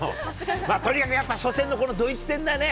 とにかくやっぱ、初戦のこのドイツ戦だね。